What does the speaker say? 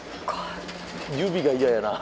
指が嫌やな。